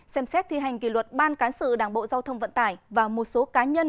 ba xem xét thi hành kỳ luật ban cán sự đảng bộ giao thông vận tải và một số cá nhân